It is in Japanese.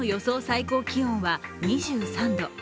最高気温は２３度。